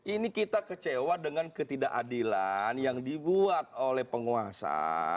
ini kita kecewa dengan ketidakadilan yang dibuat oleh penguasa